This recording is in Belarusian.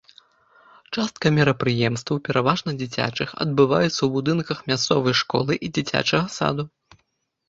Частка мерапрыемстваў, пераважна дзіцячых, адбываецца ў будынках мясцовай школы і дзіцячага саду.